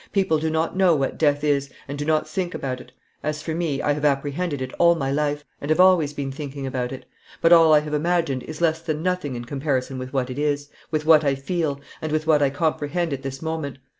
People do not know what death is, and do not think about it. As for me, I have apprehended it all my life, and have always been thinking about it. But all I have imagined is less than nothing in comparison with what it is, with what I feel, and with what I comprehend at this moment.